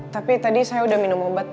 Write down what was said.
tapi tadi saya udah minum obat